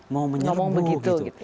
mau menyerbu gitu